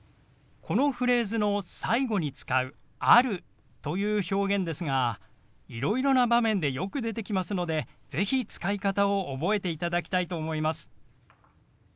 このフレーズの最後に使う「ある」という表現ですがいろいろな場面でよく出てきますので是非使い方を覚えていただきたいと思います。